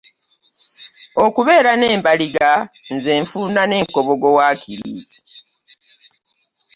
Okubeera n'embaliga nze nfunda n'enkobogo waakiri.